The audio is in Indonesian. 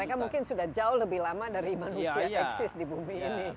mereka mungkin sudah jauh lebih lama dari manusia eksis di bumi ini